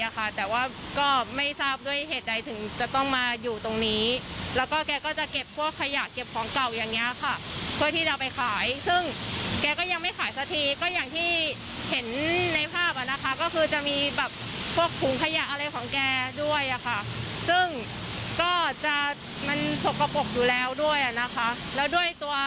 แกก็ด่ากลับมา